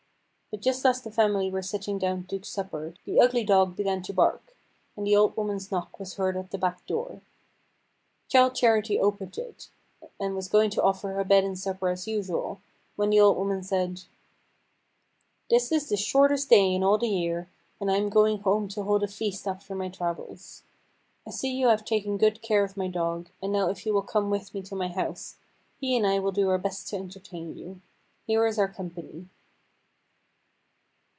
But just as the family were sitting down to supper the ugly dog began to bark, and the old woman's knock was heard at the back door. Childe Charity opened it, and was going to offer her bed and supper as usual, when the old woman said: "This is the shortest day in all the year, and I am going home to hold a feast after my travels. I see you have taken good care of my dog, and now if you will come with me to my house, he and I will do our best to entertain you. Here is our company."